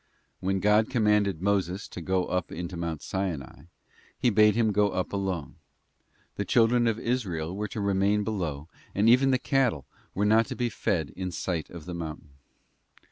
When God commanded Moses to go up into Mount Sinai, He bade him go up alone; the children of Israel were to remain below, and even the cattle were not to feed in sight of the mountain.